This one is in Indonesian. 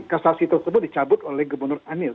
kasasi tersebut dicabut oleh gubernur anies